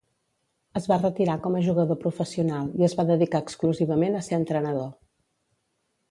Es va retirar com a jugador professional i es va dedicar exclusivament a ser entrenador.